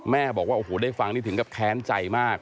บอกว่าโอ้โหได้ฟังนี่ถึงกับแค้นใจมาก